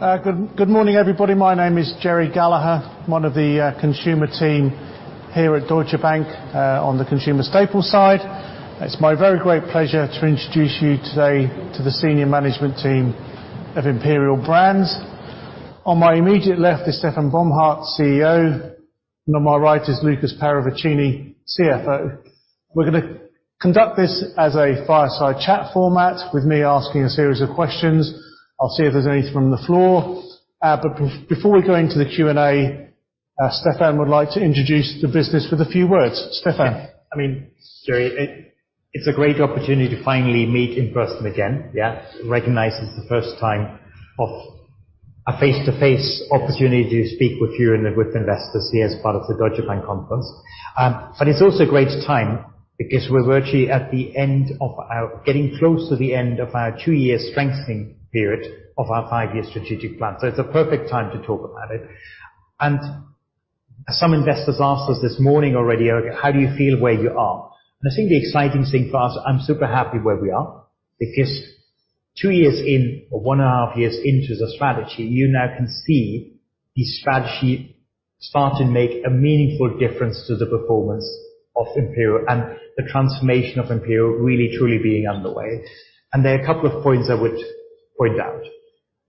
Good morning, everybody. My name is Gerry Gallagher, one of the consumer team here at Deutsche Bank, on the consumer staples side. It's my very great pleasure to introduce you today to the senior management team of Imperial Brands. On my immediate left is Stefan Bomhard, CEO, and on my right is Lukas Paravicini, CFO. We're gonna conduct this as a fireside chat format, with me asking a series of questions. I'll see if there's anything from the floor. Before we go into the Q&A, Stefan would like to introduce the business with a few words. Stefan. I mean, Gerry, it's a great opportunity to finally meet in person again, yeah? Recognize it's the first time for a face-to-face. Yes. Opportunity to speak with you and then with investors here as part of the Deutsche Bank conference. It's also a great time because we're getting close to the end of our two-year strengthening period of our five-year strategic plan. It's a perfect time to talk about it. Some investors asked us this morning already, how do you feel where you are? I think the exciting thing for us, I'm super happy where we are, because two years in, or one and a half years into the strategy, you now can see the strategy starting to make a meaningful difference to the performance of Imperial and the transformation of Imperial really truly being underway. There are a couple of points I would point out.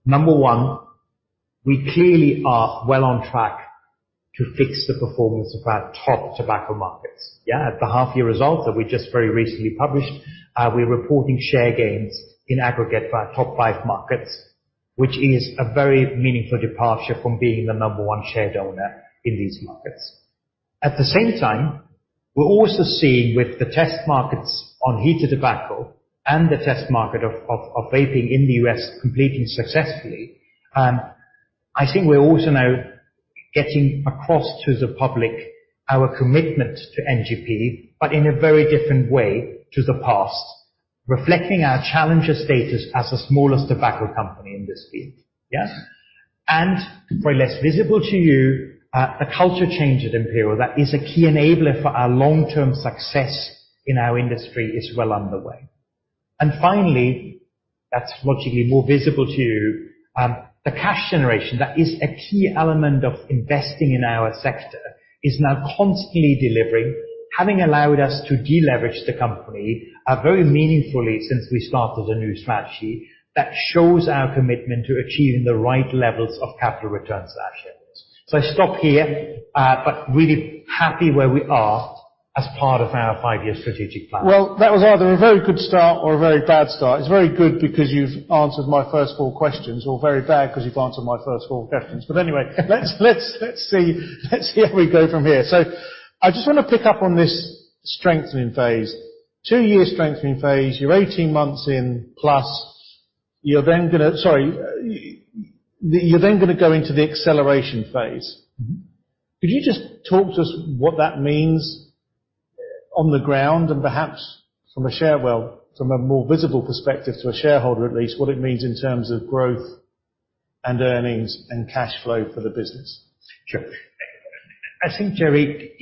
Number one, we clearly are well on track to fix the performance of our top tobacco markets, yeah? At the half year results that we just very recently published, we're reporting share gains in aggregate by our top five markets, which is a very meaningful departure from being the number one share donor in these markets. At the same time, we're also seeing with the test markets on heated tobacco, and the test market of vaping in the U.S. completing successfully, I think we're also now getting across to the public our commitment to NGP, but in a very different way to the past, reflecting our challenger status as the smallest tobacco company in this field, yes? Very less visible to you, a culture change at Imperial that is a key enabler for our long-term success in our industry is well underway. Finally, that's logically more visible to you, the cash generation, that is a key element of investing in our sector, is now constantly delivering, having allowed us to deleverage the company, very meaningfully since we started a new strategy that shows our commitment to achieving the right levels of capital returns to our shareholders. I stop here, but really happy where we are as part of our five-year strategic plan. Well, that was either a very good start or a very bad start. It's very good because you've answered my first four questions, or very bad 'cause you've answered my first four questions. Anyway, let's see how we go from here. I just wanna pick up on this strengthening phase. 2-year strengthening phase, you're 18 months in plus, you're then gonna go into the acceleration phase. Mm-hmm. Could you just talk to us what that means on the ground, and perhaps, well, from a more visible perspective to a shareholder at least, what it means in terms of growth and earnings, and cash flow for the business? Sure. I think, Gerry,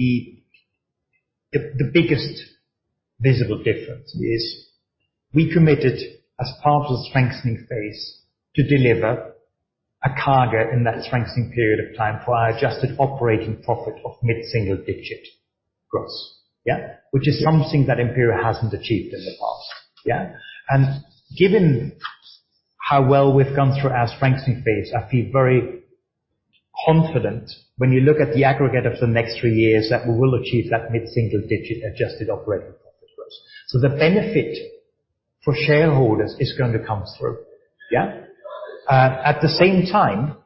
the biggest visible difference is we committed as part of the strengthening phase to deliver a CAGR in that strengthening period of time for our adjusted operating profit of mid-single digit. Gross. Yeah. Which is something that Imperial hasn't achieved in the past. Yeah? Given how well we've gone through our strengthening phase, I feel very confident when you look at the aggregate of the next three years, that we will achieve that mid-single digit adjusted operating profit growth. The benefit for shareholders is gonna come through. Yeah? At the same time,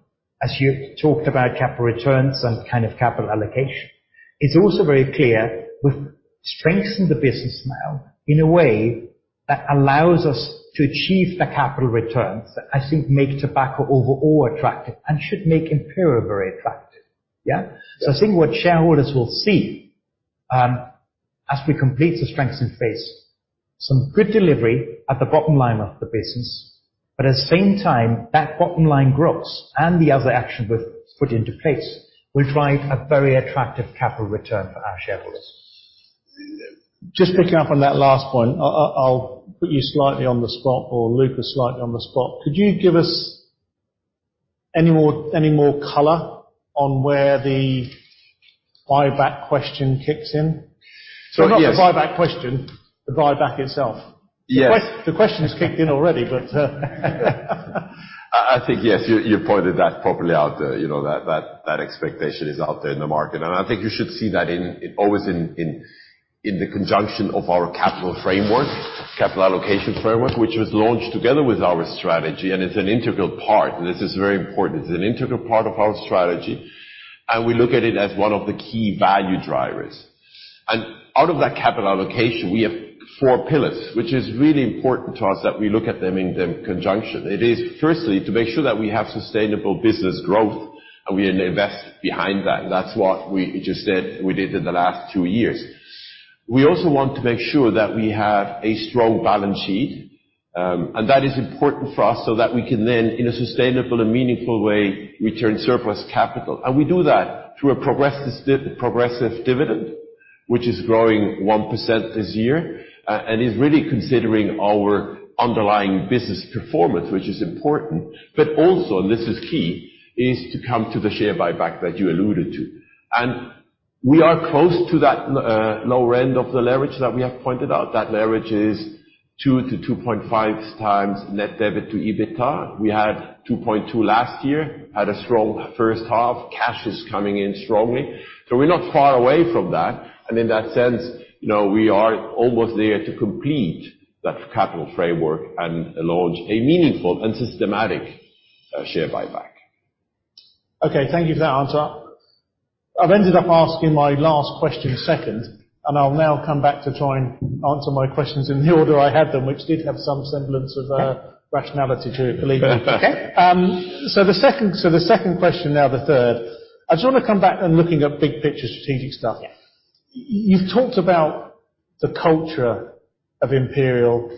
as you talked about capital returns, and kind of capital allocation, it's also very clear we've strengthened the business now in a way that allows us to achieve the capital returns that I think make tobacco overall attractive and should make Imperial very attractive. Yeah? Yeah. I think what shareholders will see, as we complete the strengthening phase, some good delivery at the bottom line of the business, but at the same time, that bottom line growth, and the other action we've put into place will drive a very attractive capital return for our shareholders. Just picking up on that last point, I'll put you slightly on the spot or Lukas slightly on the spot. Could you give us any more color on where the buyback question kicks in? Yes. Sorry, not the buyback question, the buyback itself. Yes. The question's kicked in already, but. I think, yes, you pointed that properly out, you know, that expectation is out there in the market, and I think you should see that in the conjunction of our capital allocation framework, which was launched together with our strategy, and it's an integral part. This is very important. It's an integral part of our strategy, and we look at it as one of the key value drivers. Out of that capital allocation, we have four pillars, which is really important to us that we look at them in conjunction. It is firstly to make sure that we have sustainable business growth, and we invest behind that. That's what we just said we did in the last two years. We also want to make sure that we have a strong balance sheet. That is important for us so that we can then, in a sustainable and meaningful way, return surplus capital. We do that through a progressive dividend. Which is growing 1% this year, and is really considering our underlying business performance, which is important. Also, and this is key, is to come to the share buyback that you alluded to. We are close to that lower end of the leverage that we have pointed out. That leverage is 2-2.5x net debt to EBITDA. We had 2.2 last year, had a strong first half. Cash is coming in strongly, so we're not far away from that. In that sense, you know, we are almost there to complete that capital framework and launch a meaningful and systematic share buyback. Okay, thank you for that answer. I've ended up asking my last question second, and I'll now come back to try and answer my questions in the order I had them, which did have some semblance of rationality to it, believe me. The second question, now the third. I just wanna come back and looking at big picture strategic stuff. Yeah. You've talked about the culture of Imperial.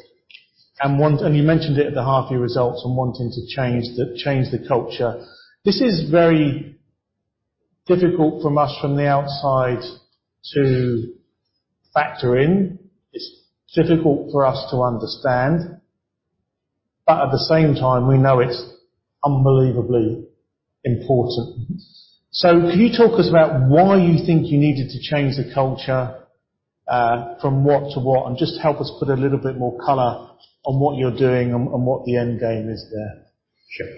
You mentioned it at the half year results and wanting to change the culture. This is very difficult for us, from the outside, to factor in. It's difficult for us to understand. At the same time, we know it's unbelievably important. Can you talk to us about why you think you needed to change the culture, from what to what? Just help us put a little bit more color on what you're doing and what the end game is there. Sure.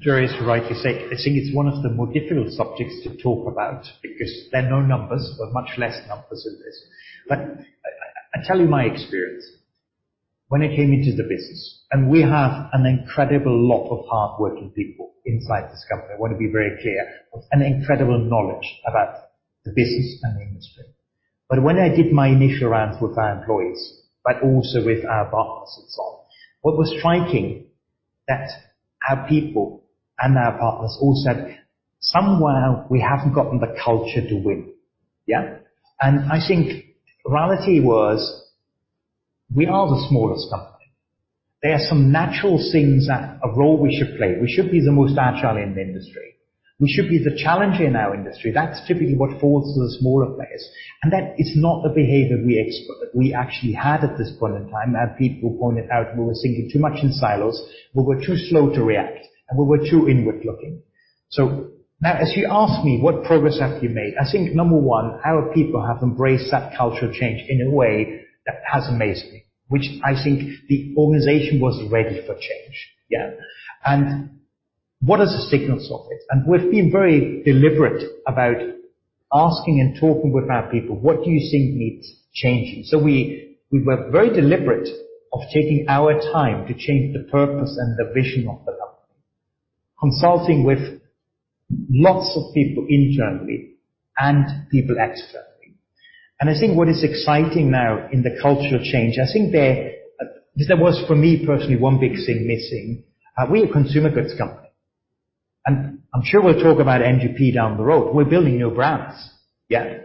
Gerry is right to say, I think it's one of the more difficult subjects to talk about because there are no numbers or much less numbers in this. I tell you my experience. When I came into the business, and we have an incredible lot of hardworking people inside this company, I wanna be very clear. With an incredible knowledge about the business and the industry. When I did my initial rounds with our employees, but also with our partners and so on, what was striking that our people and our partners all said, "Somewhere we haven't gotten the culture to win." Yeah? I think reality was, we are the smallest company. There are some natural things that a role we should play. We should be the most agile in the industry. We should be the challenger in our industry. That's typically what falls to the smaller players. That is not the behavior we actually had at this point in time. Our people pointed out we were thinking too much in silos, we were too slow to react, and we were too inward-looking. Now as you ask me, what progress have you made? I think, number one, our people have embraced that cultural change in a way that has amazed me, which I think the organization was ready for change. Yeah. What are the signals of it? We've been very deliberate about asking, and talking with our people. What do you think needs changing? We were very deliberate of taking our time to change the purpose and the vision of the company, consulting with lots of people internally and people externally. I think what is exciting now in the cultural change, I think there was for me personally one big thing missing. We're a consumer goods company, and I'm sure we'll talk about NGP down the road. We're building new brands. Yeah.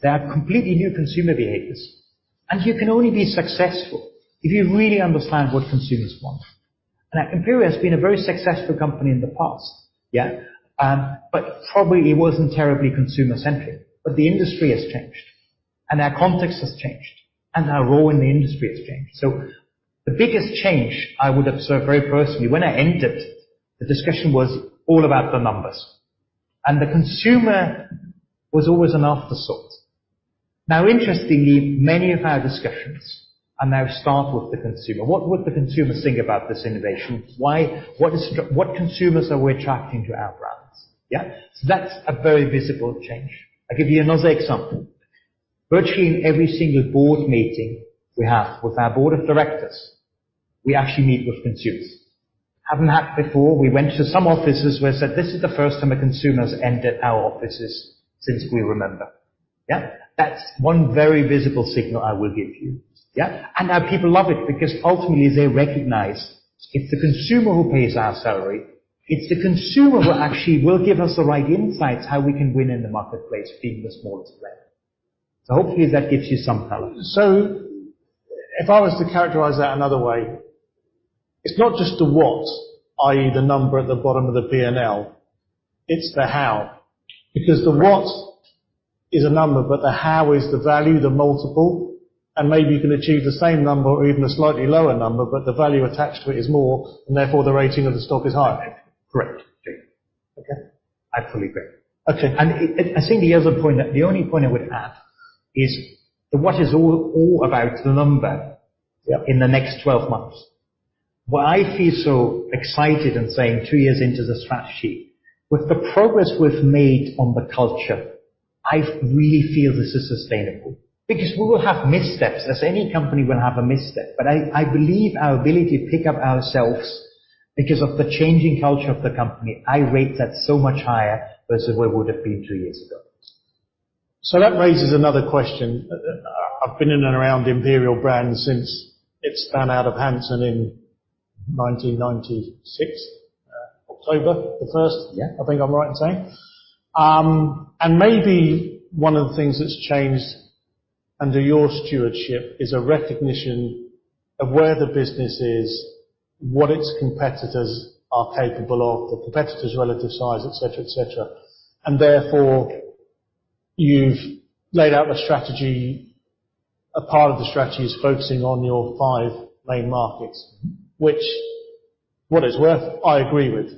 There are completely new consumer behaviors. You can only be successful if you really understand what consumers want. Imperial has been a very successful company in the past. Yeah. It probably wasn't terribly consumer-centric. The industry has changed, and our context has changed, and our role in the industry has changed. The biggest change I would observe very personally, when I entered, the discussion was all about the numbers, and the consumer was always an afterthought. Now, interestingly, many of our discussions now start with the consumer. What would the consumers think about this innovation? What consumers are we attracting to our brands? Yeah. That's a very visible change. I'll give you another example. Virtually in every single board meeting we have with our board of directors, we actually meet with consumers. Haven't had before. We went to some offices where said, "This is the first time a consumer's entered our offices since we remember." Yeah. That's one very visible signal I will give you. Yeah. Our people love it because ultimately they recognize it's the consumer who pays our salary. It's the consumer who actually will give us the right insights, how we can win in the marketplace being the smallest player. Hopefully that gives you some color. If I was to characterize that another way, it's not just the what, i.e., the number at the bottom of the P&L, it's the how. Correct. Because the what is a number, but the how is the value, the multiple, and maybe you can achieve the same number or even a slightly lower number, but the value attached to it is more and therefore the rating of the stock is higher. Correct. Okay. I fully agree. Okay. The only point I would add is what it's all about the number. Yeah. In the next 12 months. Why I feel so excited and saying two years into the strategy, with the progress we've made on the culture, I really feel this is sustainable. Because we will have missteps, as any company will have a misstep, but I believe our ability to pick ourselves up because of the changing culture of the company, I rate that so much higher versus where we would have been two years ago. That raises another question. I've been in and around the Imperial Brands since it spun out of Hanson in 1996, October 1. Yeah. I think I'm right in saying. Maybe one of the things that's changed under your stewardship is a recognition of where the business is, what its competitors are capable of, the competitors' relative size, et cetera. Therefore, you've laid out a strategy. A part of the strategy is focusing on your five main markets, which, for what it's worth, I agree with.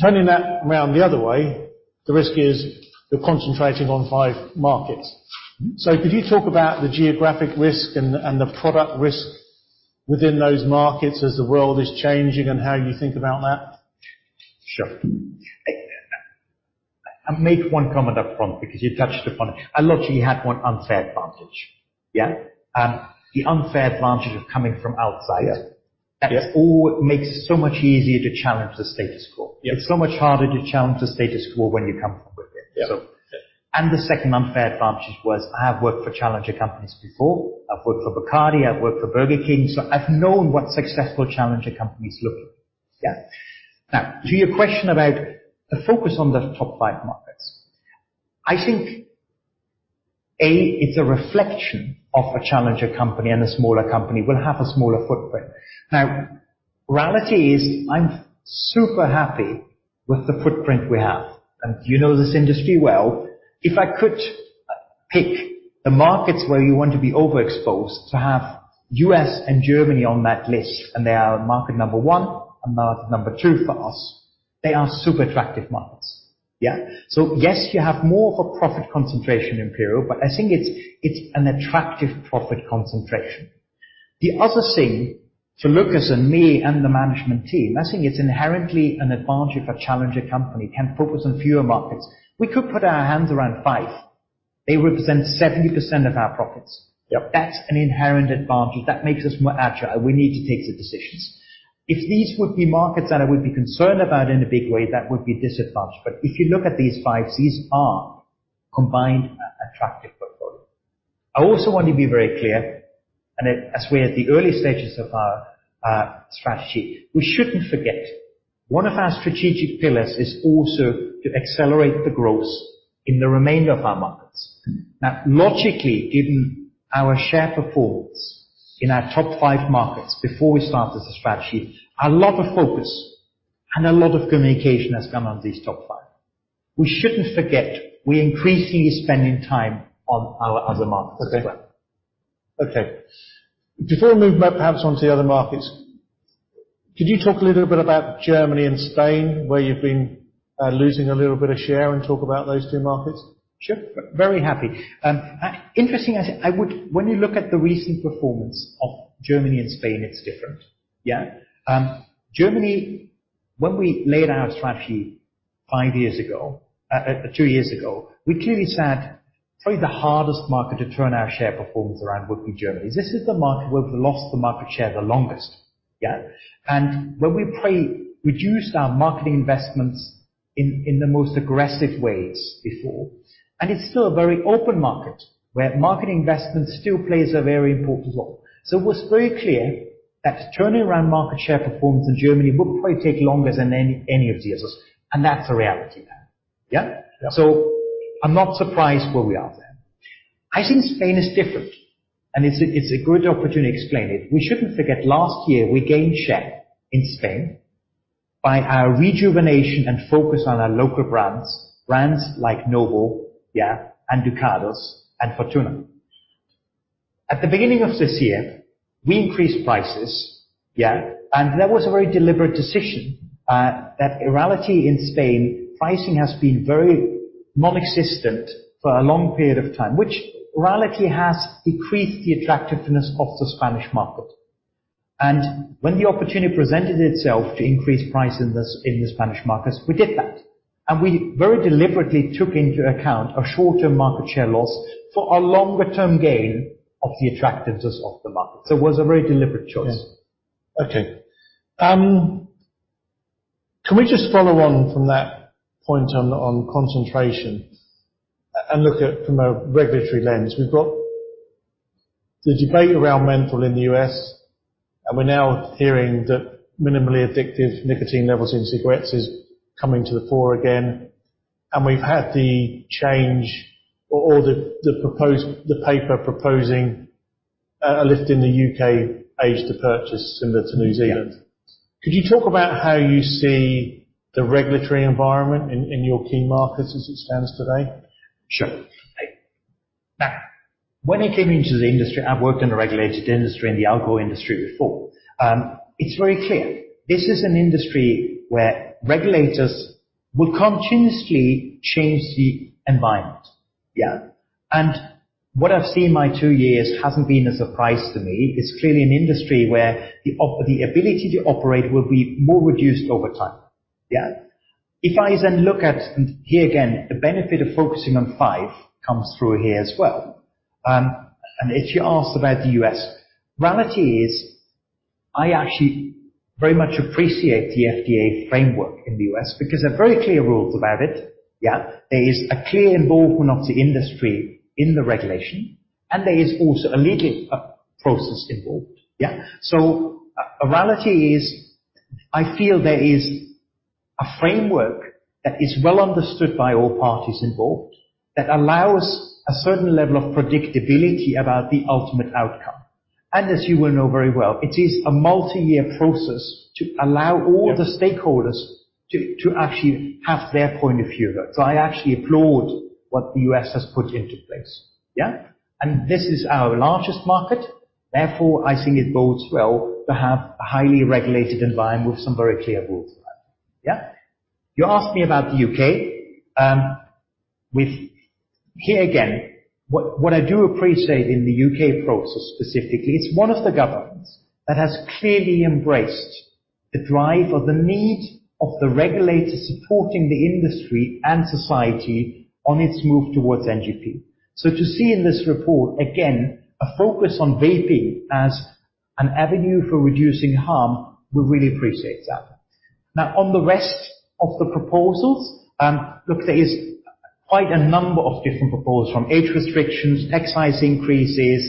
Turning that around the other way, the risk is you're concentrating on five markets. Could you talk about the geographic risk and the product risk within those markets as the world is changing and how you think about that? Sure. I make one comment up front because you touched upon it. I literally had one unfair advantage. Yeah. The unfair advantage of coming from outside. Yeah. That all makes it so much easier to challenge the status quo. Yeah. It's so much harder to challenge the status quo when you come from within. Yeah. The second unfair advantage was I have worked for challenger companies before. I've worked for Bacardi, I've worked for Burger King, so I've known what successful challenger companies look like. Yeah. Now, to your question about the focus on the top five markets. I think, A, it's a reflection of a challenger company and a smaller company will have a smaller footprint. Now, reality is I'm super happy with the footprint we have. You know this industry well. If I could pick the markets where you want to be overexposed to have U.S. and Germany on that list, and they are market number one and market number two for us, they are super attractive markets. Yeah. Yes, you have more of a profit concentration in Imperial, but I think it's an attractive profit concentration. The other thing to Lukas, and me and the management team, I think it's inherently an advantage of a challenger company can focus on fewer markets. We could put our hands around five. They represent 70% of our profits. Yeah. That's an inherent advantage that makes us more agile, and we need to take the decisions. If these would be markets that I would be concerned about in a big way, that would be a disadvantage. If you look at these five, these are combined attractive portfolio. I also want to be very clear, and as we're at the early stages of our strategy, we shouldn't forget, one of our strategic pillars is also to accelerate the growth in the remainder of our markets. Now, logically, given our share performance in our top five markets before we started the strategy, a lot of focus and a lot of communication has come on these top five. We shouldn't forget, we're increasingly spending time on our other markets as well. Okay. Before we move perhaps onto the other markets, could you talk a little bit about Germany and Spain, where you've been losing a little bit of share and talk about those two markets? Sure. Very happy. Interesting, I think. When you look at the recent performance of Germany and Spain, it's different. Yeah. Germany, when we laid out a strategy five years ago, two years ago, we clearly said probably the hardest market to turn our share performance around would be Germany. This is the market where we've lost the market share the longest. Yeah. Where we played, reduced our marketing investments in the most aggressive ways before. It's still a very open market where marketing investment still plays a very important role. It was very clear that turning around market share performance in Germany would probably take longer than any of the others. That's a reality now. Yeah? Yeah. I'm not surprised where we are there. I think Spain is different, and it's a good opportunity to explain it. We shouldn't forget, last year, we gained share in Spain by our rejuvenation and focus on our local brands. Brands like Nobel, and Ducados and Fortuna. At the beginning of this year, we increased prices. That was a very deliberate decision. That in reality in Spain, pricing has been very non-existent for a long period of time, which in reality has decreased the attractiveness of the Spanish market. When the opportunity presented itself to increase price in the Spanish markets, we did that. We very deliberately took into account a short-term market share loss for a longer-term gain of the attractiveness of the market. It was a very deliberate choice. Yeah. Okay, can we just follow on from that point on concentration, and look at from a regulatory lens? We've got the debate around menthol in the U.S., and we're now hearing that minimally addictive nicotine levels in cigarettes is coming to the fore again. We've had the proposed paper proposing a lift in the U.K. age to purchase similar to New Zealand. Yeah. Could you talk about how you see the regulatory environment in your key markets as it stands today? Sure. Now, when I came into the industry, I've worked in a regulated industry, in the alcohol industry before. It's very clear this is an industry where regulators will continuously change the environment. Yeah. What I've seen in my two years hasn't been a surprise to me. It's clearly an industry where the ability to operate will be more reduced over time. Yeah. If I look at, and here again, the benefit of focusing on five comes through here as well. If you asked about the U.S., reality is I actually very much appreciate the FDA framework in the U.S. because there are very clear rules about it. Yeah. There is a clear involvement of the industry in the regulation, and there is also a legal process involved. Yeah. Reality is I feel there is a framework that is well understood by all parties involved, that allows a certain level of predictability about the ultimate outcome. As you will know very well, it is a multi-year process to allow all. Yep. The stakeholders to actually have their point of view. I actually applaud what the U.S. has put into place. Yeah. This is our largest market. Therefore, I think it bodes well to have a highly regulated environment with some very clear rules. Yeah. You asked me about the U.K. Here again, what I do appreciate in the U.K. process specifically, it's one of the governments that has clearly embraced the drive or the need of the regulator supporting the industry and society on its move towards NGP. To see in this report, again, a focus on vaping as an avenue for reducing harm, we really appreciate that. Now, on the rest of the proposals, look, there is quite a number of different proposals from age restrictions, excise increases,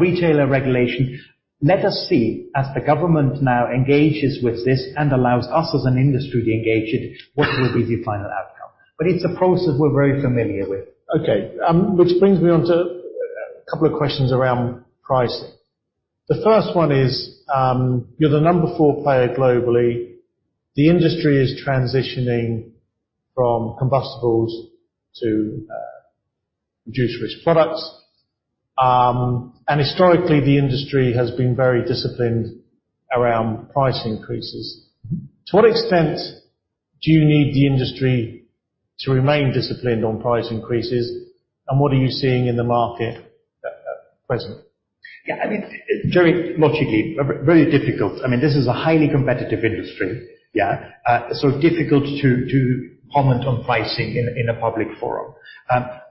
retailer regulation. Let us see as the government now engages with this and allows us as an industry to engage it, what will be the final outcome. It's a process we're very familiar with. Okay. Which brings me onto a couple of questions around pricing. The first one is, you're the number four player globally. The industry is transitioning from combustibles to reduced-risk products. Historically, the industry has been very disciplined around price increases. To what extent do you need the industry to remain disciplined on price increases, and what are you seeing in the market at present? Yeah, I mean, very logically, very difficult. I mean, this is a highly competitive industry. Yeah. So difficult to comment on pricing in a public forum.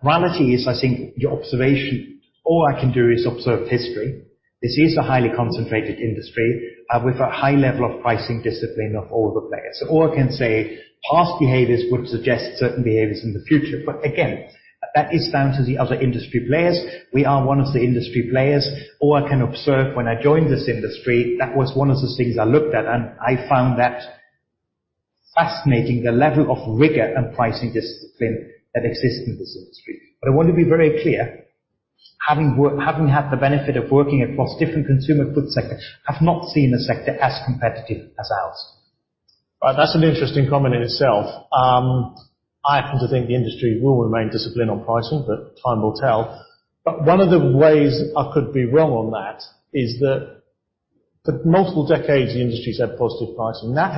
Reality is, I think your observation, all I can do is observe history. This is a highly concentrated industry with a high level of pricing discipline of all the players. All I can say, past behaviors would suggest certain behaviors in the future. Again, that is down to the other industry players. We are one of the industry players. All I can observe when I joined this industry, that was one of the things I looked at, and I found that fascinating, the level of rigor and pricing discipline that exists in this industry. I want to be very clear, having had the benefit of working across different consumer goods sectors, I've not seen a sector as competitive as ours. Right. That's an interesting comment in itself. I happen to think the industry will remain disciplined on pricing, but time will tell. One of the ways I could be wrong on that is that for multiple decades, the industry's had positive pricing. That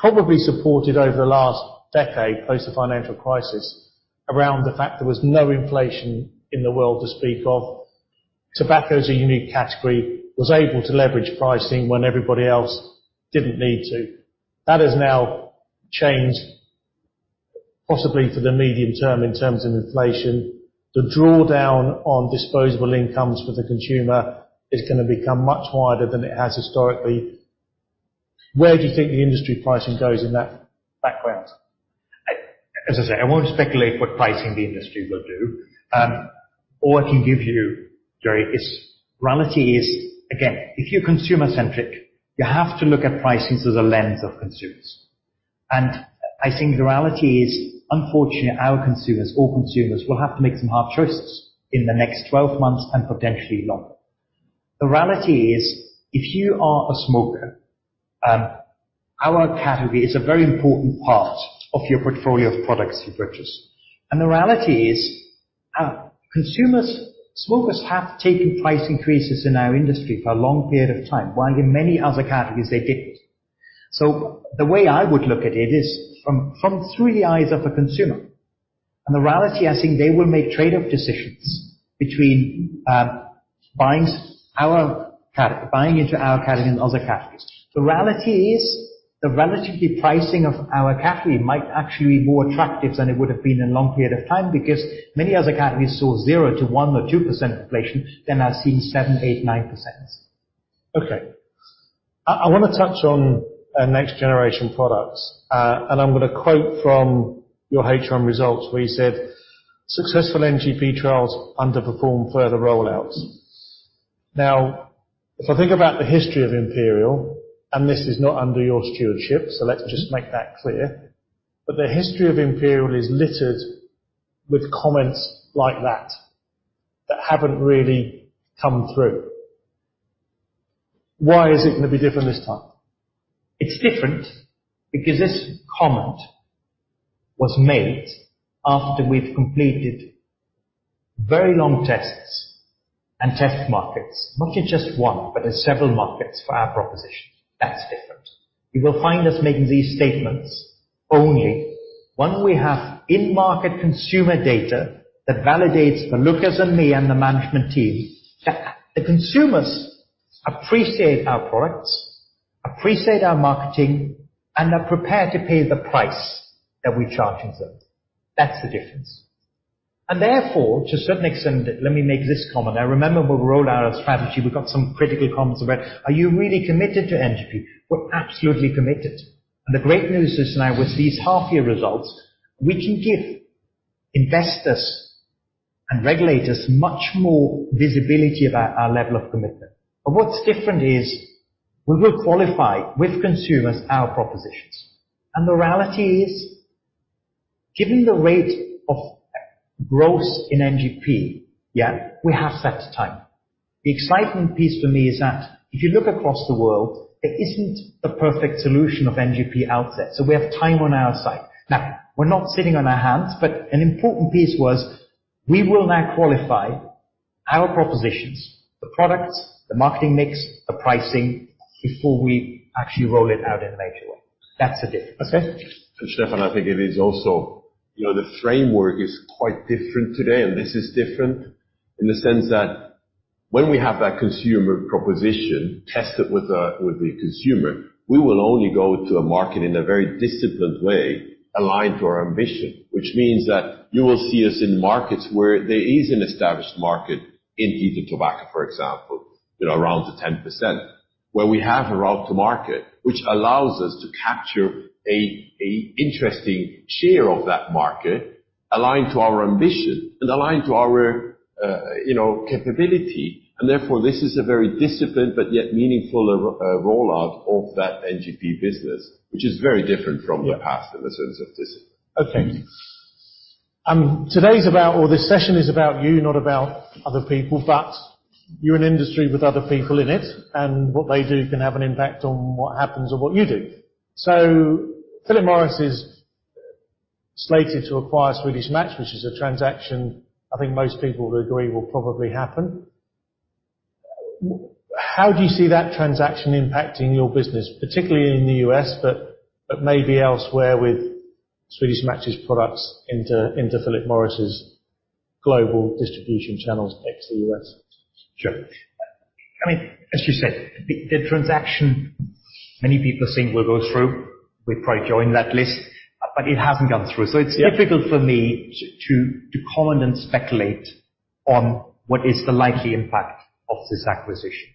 has been probably supported over the last decade, post the financial crisis, around the fact there was no inflation in the world to speak of. Tobacco is a unique category, was able to leverage pricing when everybody else didn't need to. That has now changed, possibly for the medium term in terms of inflation. The drawdown on disposable incomes for the consumer is gonna become much wider than it has historically. Where do you think the industry pricing goes in that background? As I said, I won't speculate what pricing the industry will do. All I can give you, Gerry, is reality is, again, if you're consumer-centric, you have to look at pricing through the lens of consumers. I think the reality is, unfortunately, our consumers or consumers will have to make some hard choices in the next twelve months and potentially longer. The reality is, if you are a smoker, our category is a very important part of your portfolio of products you purchase. The reality is, consumers, smokers have taken price increases in our industry for a long period of time, while in many other categories, they didn't. The way I would look at it is from through the eyes of a consumer. The reality, I think they will make trade-off decisions between buying our category, buying into our category and other categories. The reality is, the relative pricing of our category might actually be more attractive than it would have been in a long period of time because many other categories saw 0%-1% or 2% inflation, then are seeing 7%, 8%, 9%. Okay. I wanna touch on next generation products. I'm gonna quote from your H1 results where you said, "Successful NGP trials underpin further roll-outs." Now, if I think about the history of Imperial, and this is not under your stewardship, so let's just make that clear. The history of Imperial is littered with comments like that haven't really come through. Why is it gonna be different this time? It's different because this comment was made after we've completed very long tests, and test markets, not just one, but several markets for our propositions. That's different. You will find us making these statements only when we have in-market consumer data that validates for Lukas and me and the management team that the consumers appreciate our products, appreciate our marketing, and are prepared to pay the price that we're charging them. That's the difference. And therefore, to a certain extent, let me make this comment. I remember when we rolled out our strategy, we got some critical comments about, "Are you really committed to NGP?" We're absolutely committed. The great news is now with these half-year results, we can give investors and regulators much more visibility about our level of commitment. What's different is we will qualify with consumers our propositions. The reality is, given the rate of growth in NGP, yeah, we have set a time. The exciting piece for me is that if you look across the world, there isn't a perfect solution for NGP out there, so we have time on our side. Now, we're not sitting on our hands, but an important piece was we will now qualify our propositions, the products, the marketing mix, the pricing, before we actually roll it out in a major way. That's the difference. Okay. Stefan, I think it is also, you know, the framework is quite different today, and this is different in the sense that when we have that consumer proposition tested with the consumer, we will only go to a market in a very disciplined way, aligned to our ambition. Which means that you will see us in markets where there is an established market in heated tobacco, for example, you know, around the 10%, where we have a route to market, which allows us to capture an interesting share of that market aligned to our ambition and aligned to our, you know, capability. Therefore, this is a very disciplined but yet meaningful rollout of that NGP business, which is very different from the past in the sense of discipline. Okay.Mm-hmm.Today's about or this session is about you, not about other people. You're an industry with other people in it, and what they do can have an impact on what happens or what you do. Philip Morris International is slated to acquire Swedish Match, which is a transaction I think most people would agree will probably happen. How do you see that transaction impacting your business, particularly in the US, but maybe elsewhere with Swedish Match's products into Philip Morris International's global distribution channels ex the US? Sure. I mean, as you said, the transaction many people think will go through. We probably join that list, but it hasn't gone through. Yeah. It's difficult for me to comment and speculate on what is the likely impact of this acquisition.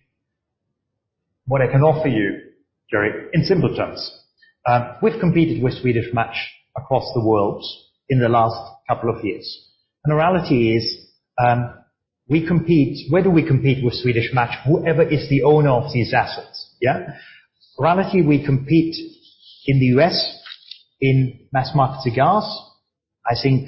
What I can offer you, Gerry, in simple terms, we've competed with Swedish Match across the world in the last couple of years. The reality is, we compete. Where do we compete with Swedish Match? Whoever is the owner of these assets, yeah. In reality, we compete in the U.S. in mass-market cigars. I think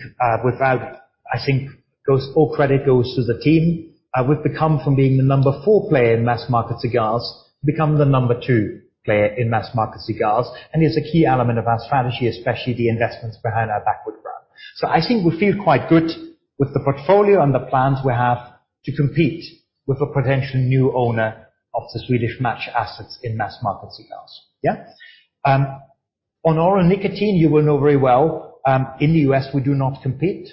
all credit goes to the team, we've become from being the number four player in mass-market cigars to become the number two player in mass-market cigars, and is a key element of our strategy, especially the investments behind our Backwoods brand. I think we feel quite good with the portfolio and the plans we have to compete with a potential new owner of the Swedish Match assets in mass-market cigars. On oral nicotine, you will know very well, in the US, we do not compete.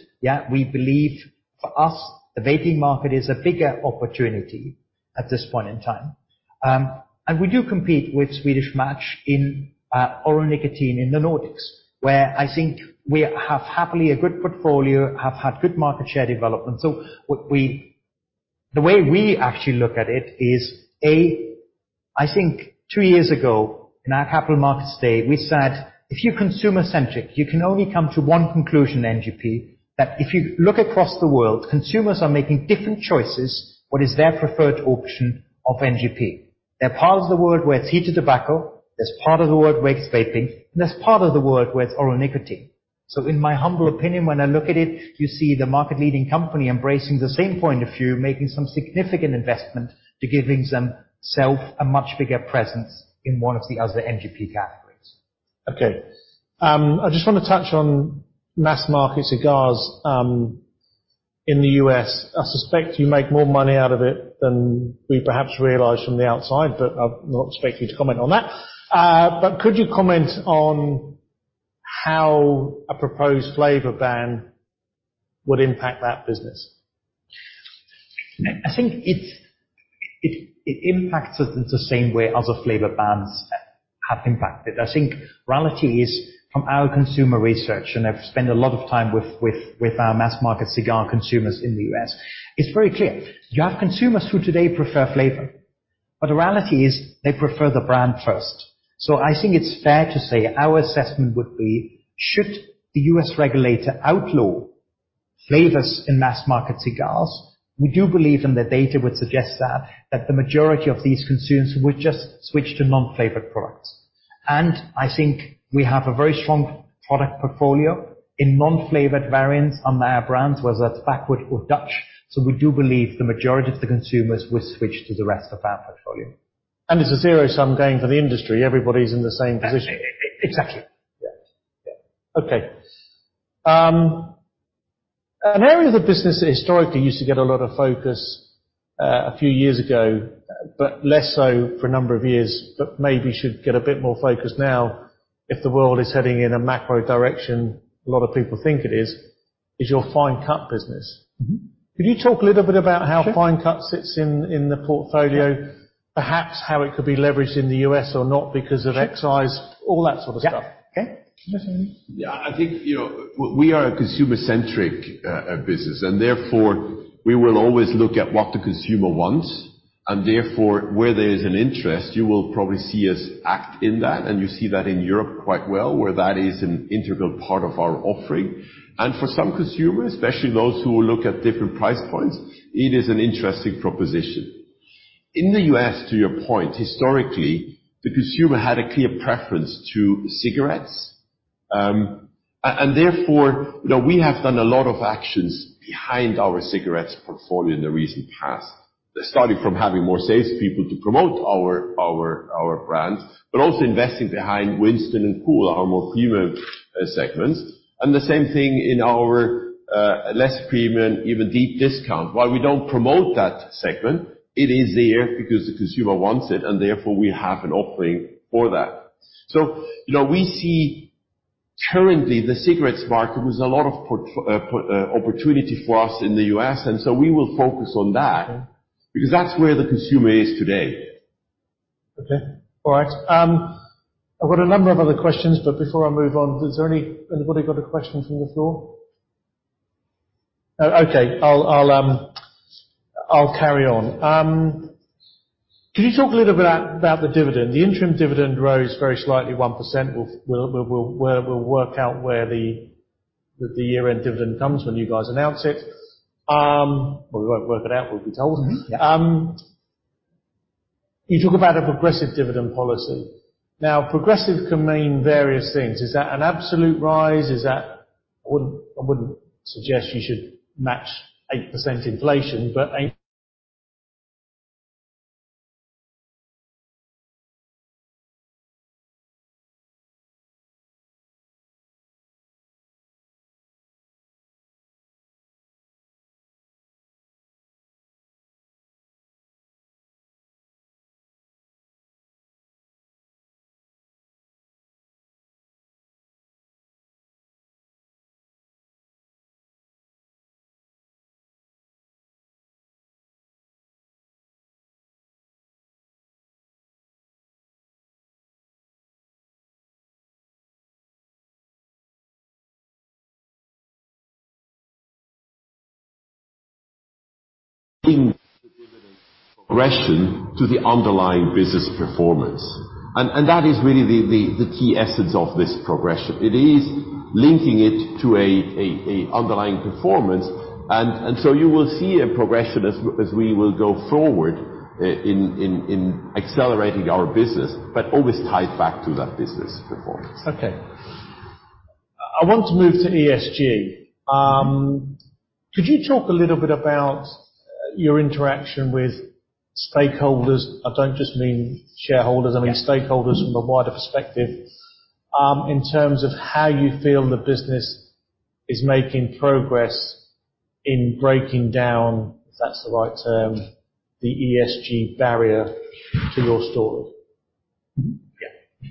We believe for us, the vaping market is a bigger opportunity at this point in time. We do compete with Swedish Match in oral nicotine in the Nordics, where I think we have happily a good portfolio, have had good market share development. The way we actually look at it is, A, I think two years ago in our capital markets day, we said, if you're consumer-centric, you can only come to one conclusion in NGP, that if you look across the world, consumers are making different choices. What is their preferred option of NGP? There are parts of the world where it's heated tobacco. There's part of the world where it's vaping, and there's part of the world where it's oral nicotine. In my humble opinion, when I look at it, you see the market-leading company embracing the same point of view, making some significant investment to giving themself a much bigger presence in one of the other NGP categories. Okay. I just wanna touch on mass-market cigars, in the U.S. I suspect you make more money out of it than we perhaps realize from the outside, but I'll not expect you to comment on that. Could you comment on how a proposed flavor ban would impact that business? I think it impacts it the same way other flavor bans have impacted. I think reality is from our consumer research, and I've spent a lot of time with our mass-market cigar consumers in the U.S. It's very clear you have consumers who today prefer flavor, but the reality is they prefer the brand first. I think it's fair to say our assessment would be, should the U.S. regulator outlaw flavors in mass-market cigars, we do believe, and the data would suggest that the majority of these consumers would just switch to non-flavored products. I think we have a very strong product portfolio in non-flavored variants on their brands, whether it's Backwoods or Dutch Masters. We do believe the majority of the consumers will switch to the rest of our portfolio. It's a zero-sum game for the industry. Everybody's in the same position. Exactly. Yeah. Yeah. Okay. An area of the business that historically used to get a lot of focus, a few years ago, but less so for a number of years, but maybe should get a bit more focus now, if the world is heading in a macro direction, a lot of people think it is your fine cut business. Mm-hmm. Could you talk a little bit about how? Sure. Fine cut sits in the portfolio? Yeah. Perhaps how it could be leveraged in the U.S. or not because of excise, all that sort of stuff. Yeah. Okay. Yeah. I think we are a consumer-centric business, and therefore we will always look at what the consumer wants, and therefore, where there is an interest, you will probably see us act in that, and you see that in Europe quite well, where that is an integral part of our offering. For some consumers, especially those who look at different price points, it is an interesting proposition. In the U.S., to your point, historically, the consumer had a clear preference to cigarettes. And therefore we have done a lot of actions behind our cigarettes portfolio in the recent past, starting from having more salespeople to promote our brands, but also investing behind Winston and Kool, our more premium segments, and the same thing in our less premium, even deep discount. While we don't promote that segment, it is there because the consumer wants it, and therefore we have an offering for that. You know, we see currently the cigarettes market with a lot of opportunity for us in the US, and so we will focus on that. Okay. Because that's where the consumer is today. Okay. All right. I've got a number of other questions, but before I move on, is there anybody got a question from the floor? Okay. I'll carry on. Could you talk a little bit about the dividend? The interim dividend rose very slightly 1%. We'll work out where the year-end dividend comes when you guys announce it. Well, we won't work it out. We'll be told. Mm-hmm. Yeah. You talk about a progressive dividend policy. Now, progressive can mean various things. Is that an absolute rise? I wouldn't suggest you should match 8% inflation, but a Linking the dividend progression to the underlying business performance. That is really the key essence of this progression. It is linking it to a underlying performance. You will see a progression as we will go forward in accelerating our business, but always tied back to that business performance. Okay. I want to move to ESG. Could you talk a little bit about your interaction with stakeholders? I don't just mean shareholders. Yeah. I mean stakeholders from a wider perspective, in terms of how you feel the business is making progress in breaking down, if that's the right term, the ESG barrier to your story? Yeah.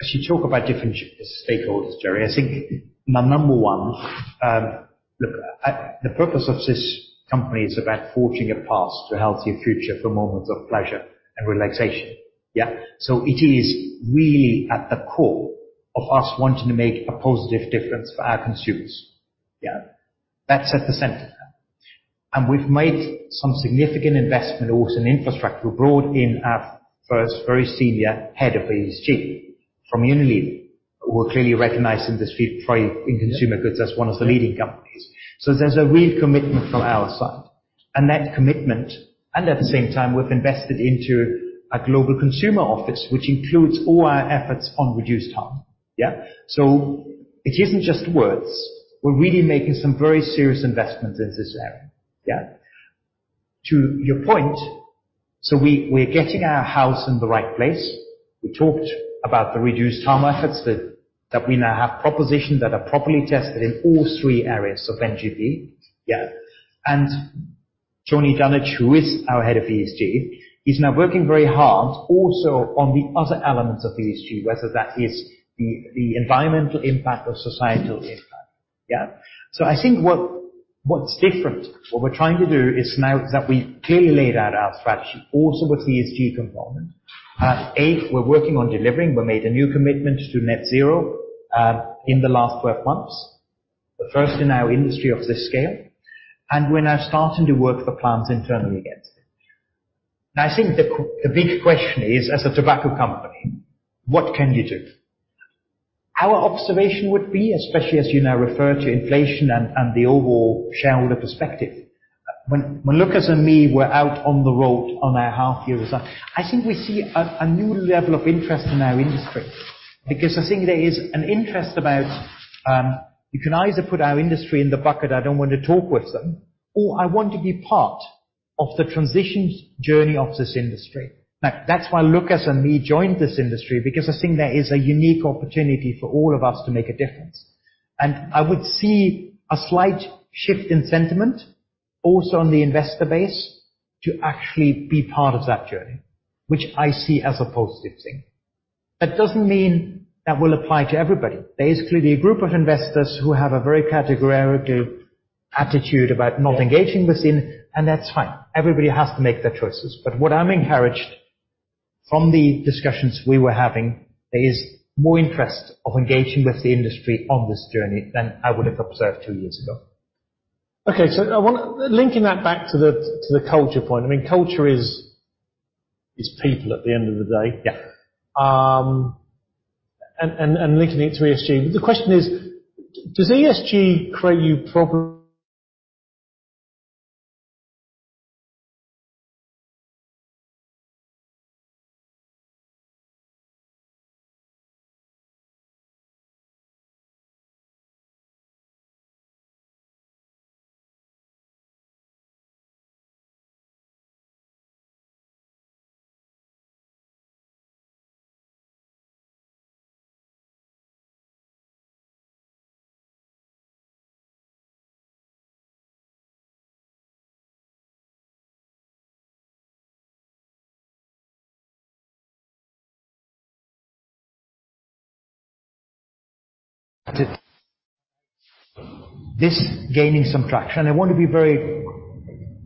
As you talk about different stakeholders, Gerry, I think my number one. Look, The purpose of this company is about forging a path to a healthier future for moments of pleasure and relaxation. Yeah? It is really at the core of us wanting to make a positive difference for our consumers. Yeah? That's at the center. We've made some significant investment also in infrastructure. We brought in our first very senior head of ESG from Unilever, who are clearly recognized in this field in consumer goods as one of the leading companies. There's a real commitment from our side. That commitment, and at the same time, we've invested into a global consumer office, which includes all our efforts on reduced harm. Yeah? It isn't just words. We're really making some very serious investments in this area. Yeah. To your point, we're getting our house in the right place. We talked about the reduced harm efforts that we now have propositions that are properly tested in all three areas of NGP. Yeah. Jörg Biebernick, who is our head of ESG, is now working very hard also on the other elements of ESG, whether that is the environmental impact or societal impact. Yeah. I think what's different, what we're trying to do is now that we've clearly laid out our strategy also with ESG component, we're working on delivering. We made a new commitment to net zero in the last twelve months. The first in our industry of this scale. We're now starting to work the plans internally against it. Now, I think the big question is, as a tobacco company, what can you do? Our observation would be, especially as you now refer to inflation, and the overall shareholder perspective, when Lukas, and me were out on the road on our half year result, I think we see a new level of interest in our industry because I think there is an interest about, you can either put our industry in the bucket, "I don't want to talk with them," or, "I want to be part of the transition journey of this industry." Now, that's why Lukas and me joined this industry because I think there is a unique opportunity for all of us to make a difference. I would see a slight shift in sentiment also on the investor base to actually be part of that journey, which I see as a positive thing. That doesn't mean that will apply to everybody. There is clearly a group of investors who have a very categorical attitude about not engaging with it, and that's fine. Everybody has to make their choices. From the discussions we were having, there is more interest in engaging with the industry on this journey than I would have observed two years ago. Okay. Linking that back to the culture point. I mean, culture is people at the end of the day. Yeah. Linking it to ESG. The question is, does ESG create you problem? This gaining some traction. I want to be very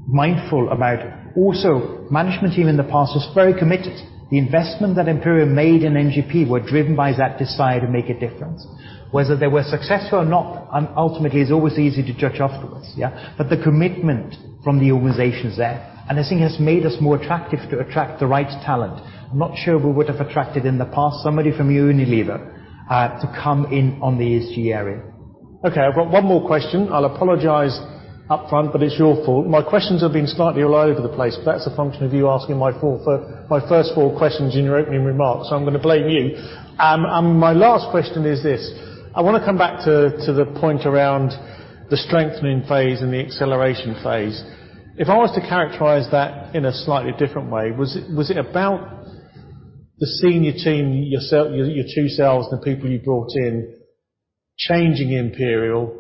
mindful about also management team in the past was very committed. The investment that Imperial made in NGP were driven by that desire to make a difference. Whether they were successful or not, ultimately is always easy to judge afterwards, yeah. The commitment from the organization is there, and I think has made us more attractive to attract the right talent. I'm not sure we would have attracted in the past somebody from Unilever to come in on the ESG area. Okay, I've got one more question. I'll apologize upfront, but it's your fault. My questions have been slightly all over the place, but that's a function of you asking my first four questions in your opening remarks. I'm gonna blame you. My last question is this: I wanna come back to the point around the strengthening phase and the acceleration phase. If I was to characterize that in a slightly different way, was it about the senior team, yourself, your two selves, the people you brought in, changing Imperial?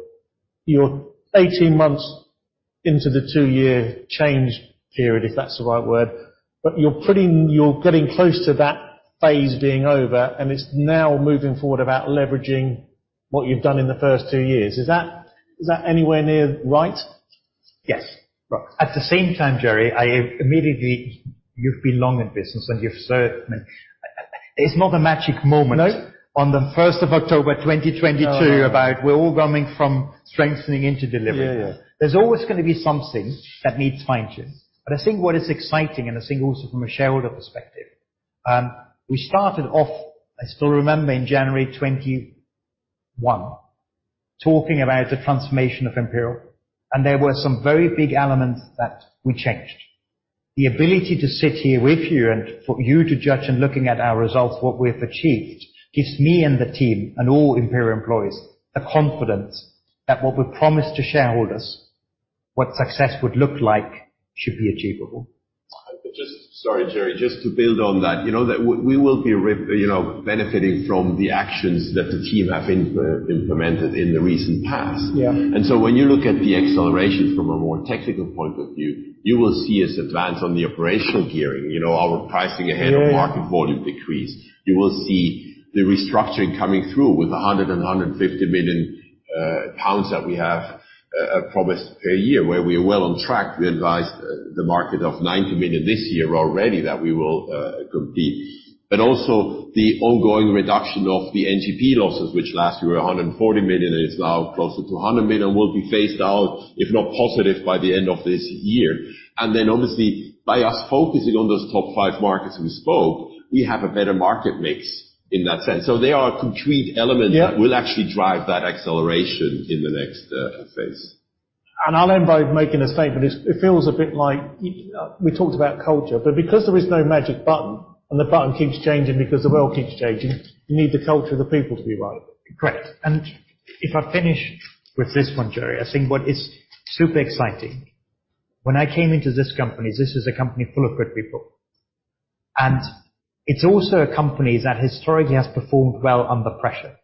You're 18 months into the two-year change period, if that's the right word, but you're getting close to that phase being over, and it's now moving forward about leveraging what you've done in the first two years. Is that anywhere near right? Yes. Right. At the same time, Gerry, I immediately. You've been long in business, and you've certainly. I. It's not a magic moment. No. On the first of October 2022 about we're all going from strengthening into delivery. Yeah, yeah. There's always gonna be something that needs fine-tuning. I think what is exciting, and I think also from a shareholder perspective, we started off, I still remember in January 2021, talking about the transformation of Imperial, and there were some very big elements that we changed. The ability to sit here with you and for you to judge and looking at our results, what we have achieved, gives me and the team and all Imperial employees the confidence that what we promised to shareholders, what success would look like, should be achievable. Sorry, Gerry. Just to build on that. You know that we will be benefiting from the actions that the team have implemented in the recent past. Yeah. When you look at the acceleration from a more technical point of view, you will see us advance on the operational gearing. You know, our pricing ahead of market volume decrease. You will see the restructuring coming through with 150 million pounds that we have promised per year, where we are well on track. We advised the market of 90 million this year already that we will complete. But also the ongoing reduction of the NGP losses, which last year were 140 million, and it's now closer to 100 million, will be phased out, if not positive by the end of this year. Obviously by us focusing on those top five markets we spoke, we have a better market mix in that sense. There are concrete elements. Yeah. that will actually drive that acceleration in the next phase. I'll end by making a statement. It feels a bit like we talked about culture, but because there is no magic button and the button keeps changing because the world keeps changing, you need the culture of the people to be right. Correct. If I finish with this one, Gerry, I think what is super exciting, when I came into this company, this is a company full of good people. It's also a company that historically has performed well under pressure.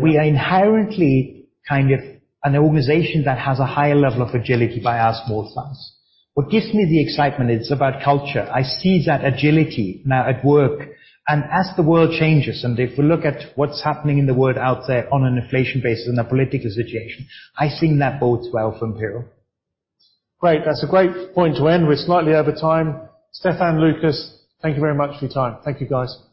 We are inherently kind of an organization that has a higher level of agility by our small size. What gives me the excitement is about culture. I see that agility now at work. As the world changes, and if we look at what's happening in the world out there on an inflation basis and a political situation, I've seen that bodes well for Imperial. Great. That's a great point to end. We're slightly over time. Stefan, Lukas, thank you very much for your time. Thank you, guys. Thank you, Gerry.